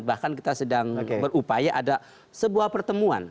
bahkan kita sedang berupaya ada sebuah pertemuan